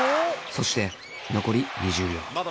そして残り２０秒